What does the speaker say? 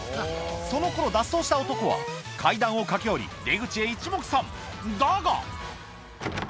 その頃脱走した男は階段を駆け降り出口へ一目散だが！